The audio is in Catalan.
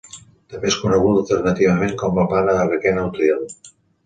També és coneguda alternativament com la Plana de Requena-Utiel.